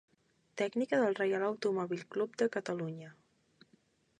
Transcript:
Tècnica del Reial Automòbil Club de Catalunya.